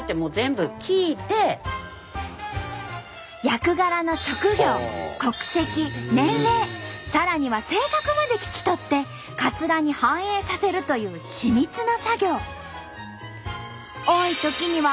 役柄の職業国籍年齢さらには性格まで聞き取ってカツラに反映させるという緻密な作業。